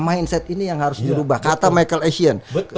mindset ini yang harus dirubah kata michael asian